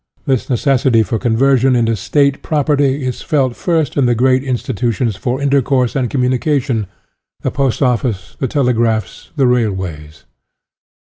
1 This necessity for conversion into State property is felt first in the great institutions for intercourse and communication the postoffice, the telegraphs, the railways.